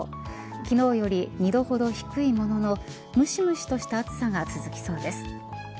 昨日より２度ほど低いもののむしむしとした暑さが続きそうです。